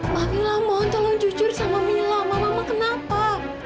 maulah mohon tolong jujur sama mila mama kenapa